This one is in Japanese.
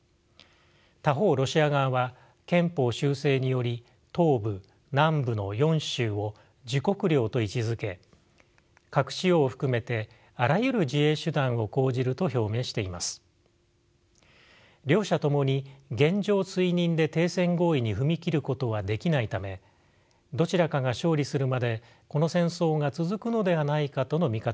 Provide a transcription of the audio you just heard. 他方ロシア側は憲法修正により東部南部の４州を自国領と位置づけ核使用を含めてあらゆる自衛手段を講じると表明しています。両者ともに現状追認で停戦合意に踏み切ることはできないためどちらかが勝利するまでこの戦争が続くのではないかとの見方も出ています。